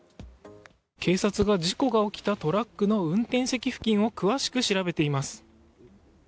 警察が事故が起きたトラックの運転席付近を詳しく調べています。